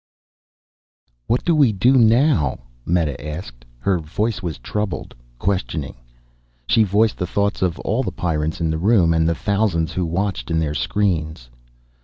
"What do we do now?" Meta asked. Her voice was troubled, questioning. She voiced the thoughts of all the Pyrrans in the room, and the thousands who watched in their screens.